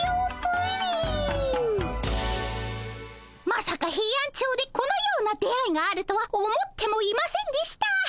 まさかヘイアンチョウでこのような出会いがあるとは思ってもいませんでした。